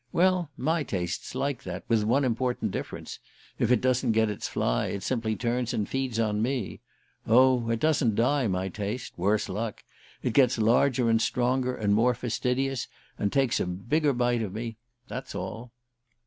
Well, my taste's like that, with one important difference if it doesn't get its fly, it simply turns and feeds on me. Oh, it doesn't die, my taste worse luck! It gets larger and stronger and more fastidious, and takes a bigger bite of me that's all."